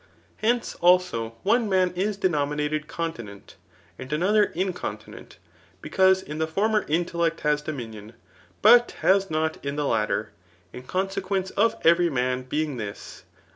Hence, also, one man is denominated continent, and another mconti* Qent, because in the former intellect has dominion, but has not in the latter, in consequence of every man being this, (1.